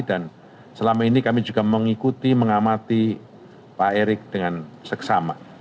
dan selama ini kami juga mengikuti mengamati pak erik dengan seksama